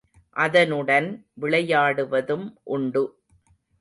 அதனுடன் விளையாடுவதும் உண்டு.